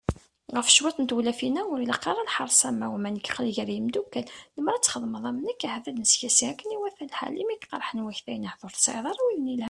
Ɣef cwiṭ n tewlafin-a, ur ilaq ara lḥerṣ am wa, uma nekk aql-i gar yimeddukal, lemmer ad d-txedmeḍ am nekk, ahat ad neskasi akken iwata lḥal, imi k-qerḥen waktayen ahat ur tesɛiḍ ara widen yelhan ?